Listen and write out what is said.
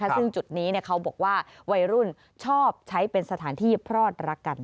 ซึ่งจุดนี้เขาบอกว่าวัยรุ่นชอบใช้เป็นสถานที่พลอดรักกัน